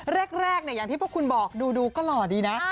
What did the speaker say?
แรกอย่างที่พวกคุณบอกดูก็หล่อดีนะ